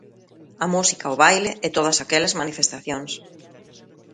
A música, o baile e todas aquelas manifestacións.